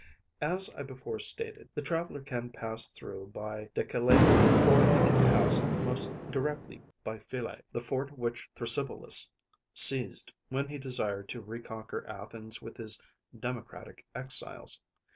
As I before stated, the traveller can pass through by Dekelea, or he can pass most directly by Phyle, the fort which Thrasybulus seized when he desired to reconquer Athens with his democratic exiles.